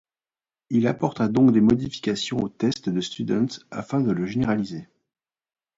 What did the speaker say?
Il apporta donc des modifications au test de Student afin de le généraliser.